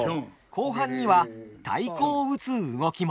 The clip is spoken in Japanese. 後半には太鼓を打つ動きも。